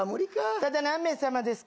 ただ、何名様ですか？